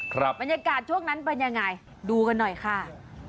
บรรยากาศช่วงนั้นเป็นยังไงดูกันหน่อยค่ะ